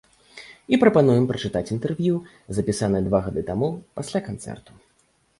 І прапануем пачытаць інтэрв'ю запісанае два гады таму, пасля канцэрту.